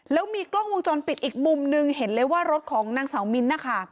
แล้วมีกล้องวงจรปิดอีกมุมหนึ่งเห็นเลยว่ารถของนางสาวมิ้นนะคะ